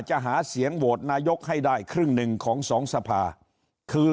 จะหาเสียงโหวตนายกให้ได้ครึ่งหนึ่งของสองสภาคือ